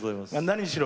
何しろ